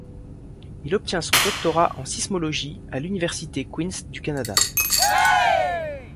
Il obtient son doctorat en sismologie à l'Université Queen's du Canada.